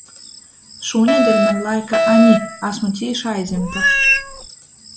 Šūnedeļ maņ laika a ni, asmu cīši aizjimta.